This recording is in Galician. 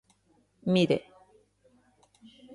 Mire.